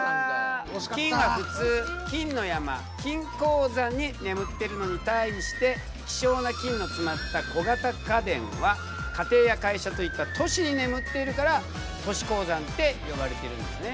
金は普通金の山金鉱山に眠ってるのに対して希少な金の詰まった小型家電は家庭や会社といった都市に眠っているから都市鉱山って呼ばれているんだね。